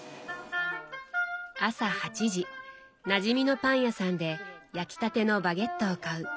朝８時なじみのパン屋さんで焼きたてのバゲットを買う。